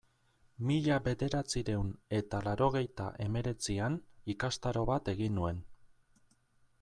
Mila bederatziehun eta laurogeita hemeretzian ikastaro bat egin nuen.